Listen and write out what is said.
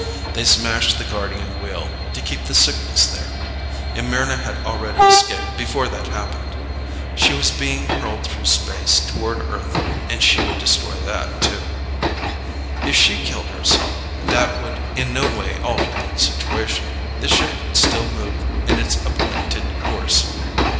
They smashed the Guardian Wheel to keep the Sickness there. And Mryna had already escaped before that happened! She was being hurled through space toward Earth and she would destroy that, too. If she killed herself, that would in no way alter the situation. The ship would still move in its appointed course.